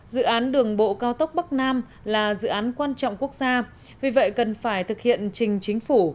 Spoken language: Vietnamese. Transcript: dự án đường bộ cao tốc bắc nam là dự án quan trọng quốc gia vì vậy cần phải thực hiện trình chính phủ